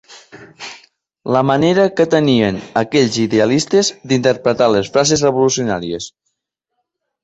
La manera que tenien aquells idealistes d'interpretar les frases revolucionàries.